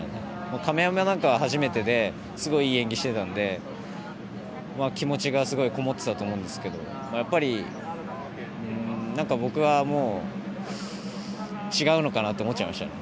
亀山なんかはすごいいい演技をしていたので気持ちがすごいこもっていたと思うんですけど僕はもう違うのかなと思っちゃいましたね。